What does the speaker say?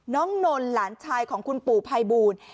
นนหลานชายของคุณปู่ภัยบูล